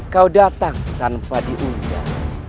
kau datang tanpa diundang